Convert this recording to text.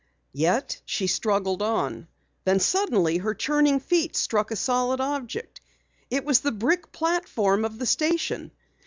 Yet she struggled on. Then suddenly her churning feet struck a solid object. It was the brick platform of the station!